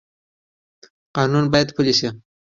قانون باید پلی شي